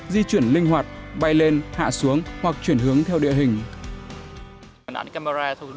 di chuyển linh hoạt bay lên hạ xuống hoặc chuyển hướng theo địa hình